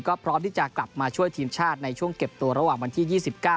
ก็พร้อมที่จะกลับมาช่วยทีมชาติในช่วงเก็บตัวระหว่างวันที่๒๙